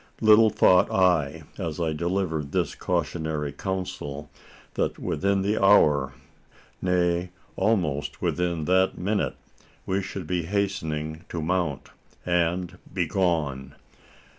Little thought I, as I delivered this cautionary counsel, that within the hour nay, almost within that minute we should be hastening to mount and be gone!